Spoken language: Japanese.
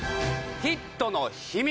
ヒットの秘密